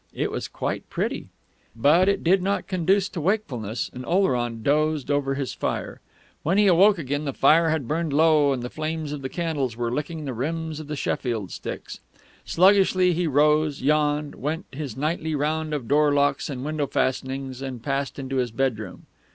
It was quite pretty.... But it did not conduce to wakefulness, and Oleron dozed over his fire. When he awoke again the fire had burned low and the flames of the candles were licking the rims of the Sheffield sticks. Sluggishly he rose, yawned, went his nightly round of door locks and window fastenings, and passed into his bedroom.